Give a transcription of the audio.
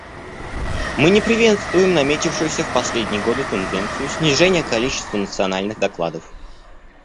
Мы не приветствуем наметившуюся в последние годы тенденцию снижения количества национальных докладов.